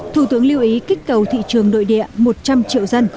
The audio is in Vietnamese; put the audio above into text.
thủ tướng lưu ý kích cầu thị trường nội địa một trăm linh triệu dân